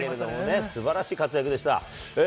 素晴らしい活躍でした。